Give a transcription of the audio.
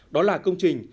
đó là công trình